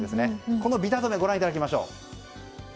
このビタ止めご覧いただきましょう。